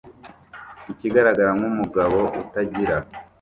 ikigaragara nkumugabo utagira